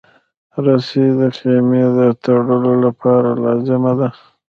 رسۍ د خېمې د تړلو لپاره لازمه ده.